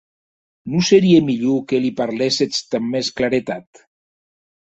Non serie mielhor que li parléssetz damb mès claretat?